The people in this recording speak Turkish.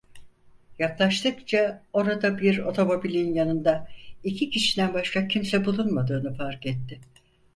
Yaklaştıkça orada bir otomobilin yanında iki kişiden başka kimse bulunmadığını fark etti.